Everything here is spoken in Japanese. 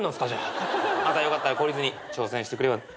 またよかったら懲りずに挑戦してくれよ。